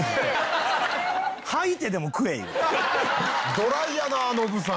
ドライやなノブさん。